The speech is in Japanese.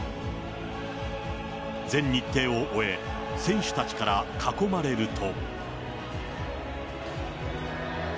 全日程を終え、選手たちから囲まれると。